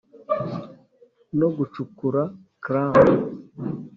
no gucukura clam